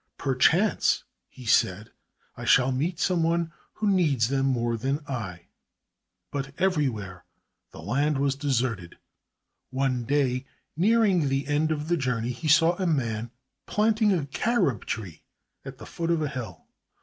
"Perchance," he said, "I shall meet some one who needs them more than I." But everywhere the land was deserted. One day, nearing the end of the journey, he saw a man planting a carob tree at the foot of a hill.